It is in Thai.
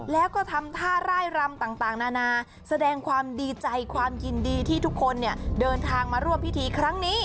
แล้วก็ทำท่าร่ายรำต่างนานาแสดงความดีใจความยินดีที่ทุกคนเนี่ยเดินทางมาร่วมพิธีครั้งนี้